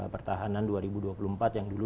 pertahanan dua ribu dua puluh empat yang dulu